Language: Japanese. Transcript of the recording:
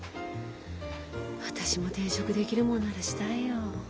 私も転職できるもんならしたいよ。